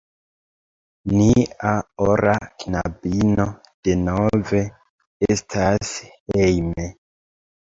Nia ora knabino denove estas hejme!